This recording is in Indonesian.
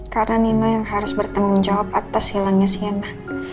karena nino yang harus bertanggung jawab atas hilangnya shaina